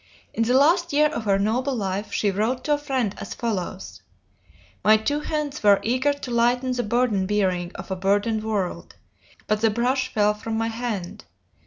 In the last year of her noble life she wrote to a friend as follows: "My two hands were eager to lighten the burden bearing of a burdened world but the brush fell from my hand.